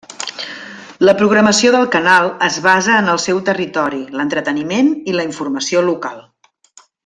La programació del canal es basa en el seu territori, l'entreteniment i la informació local.